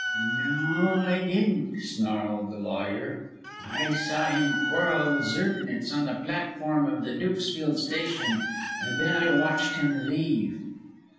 "No, I didn't," snarled the lawyer. "I saw him quarrel with Zirknitz on the platform of the Dukesfield station, and then I watched him leave."